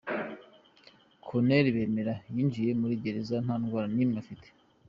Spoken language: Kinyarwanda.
Colonel Bemera yinjiye muri Gereza nta ndwara n’imwe afite.